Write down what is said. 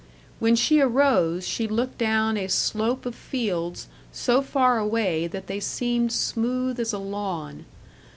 When she arose she looked down a slope of fields so far away that they seemed smooth as a lawn.